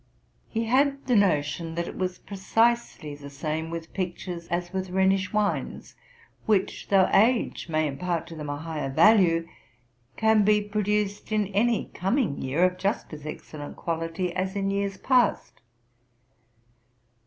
He had the notion that it was precisely the same with pictures as with Rhenish wines, which, though age may impart to them a higher value, can be produced in any coming year of just as excellent quality as in years past.